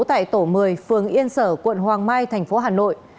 tại tổ một mươi phường yên sở quận hoàng mai thành phố hà nội